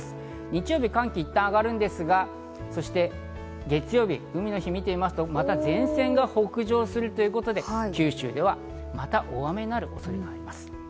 日曜日、寒気はいったん上がりますが、月曜日、海の日を見てみますと、また前線が北上するということで、九州ではまた大雨になる恐れがあります。